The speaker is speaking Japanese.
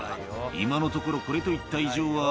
「今のところこれといった異常は」